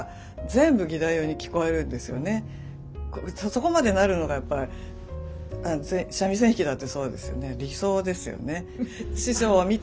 そこまでなるのがやっぱり三味線弾きだってそうですよね理想ですよね。